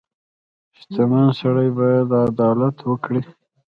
• شتمن سړی باید عدالت وکړي.